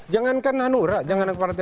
jangan kan hanura